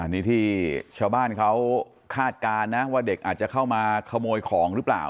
นี่ที่ชาวบ้านเขาคาดการณ์นะว่าเด็กอาจจะเข้ามาขโมยของหรือเปล่า